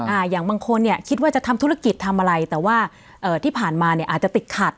อ่าอย่างบางคนคิดว่าจะทำธุรกิจทำอะไรแต่ว่าที่ผ่านมาอาจจะติดขัด